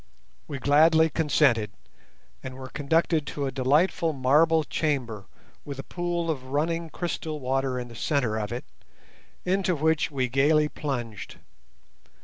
We gladly consented, and were conducted to a delightful marble chamber, with a pool of running crystal water in the centre of it, into which we gaily plunged.